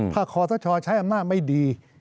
ถ้าคอสชใช้อำนาจไม่ดี